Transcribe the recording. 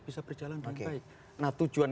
bisa berjalan dengan baik nah tujuan